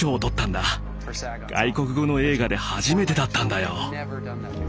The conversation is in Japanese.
外国語の映画で初めてだったんだよ。